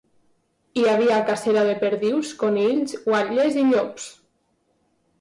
Hi havia cacera de perdius, conills, guatlles i llops.